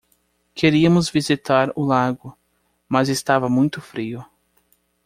Queríamos visitar o lago, mas estava muito frio